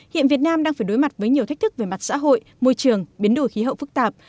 hiện việt nam đang phải đối mặt với nhiều thách thức về mặt xã hội môi trường biến đổi khí hậu phức tạp